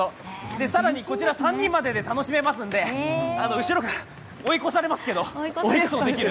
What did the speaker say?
更にこちら３人まで楽しめますので後ろから追い越されますけど、追い越すこともできる。